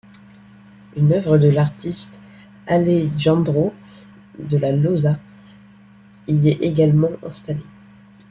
Une œuvre de l'artiste Alejandro de la Loza y est également installée.